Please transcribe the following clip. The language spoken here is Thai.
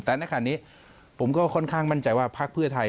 แต่ในขณะนี้ผมก็ค่อนข้างมั่นใจว่าพักเพื่อไทย